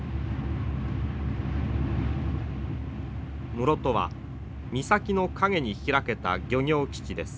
室戸は岬のかげにひらけた漁業基地です。